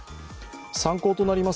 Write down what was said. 参考となります